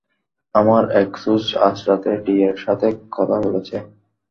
আমার এক সোর্স আজরাতে ডিএর সাথে কথা বলেছে।